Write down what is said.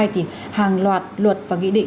thì hàng loạt luật và nghị định